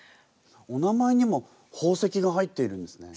お名前にも宝石が入っているんですね。